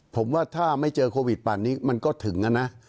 ผมว่าถ้าไม่เจอโควิดป่านนี้มันก็ถึงนะ